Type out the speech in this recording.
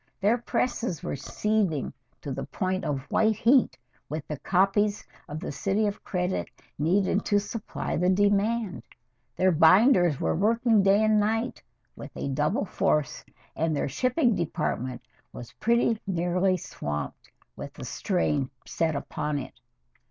Their presses were seething to the point of white heat with the copies of "The City of Credit" needed to supply the demand; their binders were working day and night with a double force, and their shipping department was pretty nearly swamped with the strain put upon it.